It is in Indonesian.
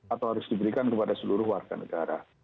atau harus diberikan kepada seluruh warga negara